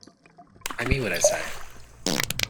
I mean what I say.